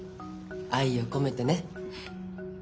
愛を込めてね。